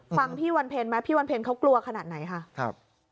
ฟังพี่วันเพลงไหมพี่วันเพ็ญเขากลัวขนาดไหนค่ะครับ